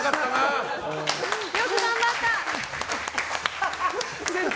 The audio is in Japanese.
よく頑張った。